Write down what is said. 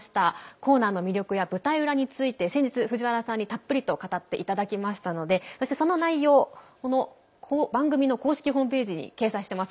コーナーの魅力や舞台裏について先日、藤原さんにたっぷりと語っていただきましたのでその内容この番組の公式ホームページに掲載しています。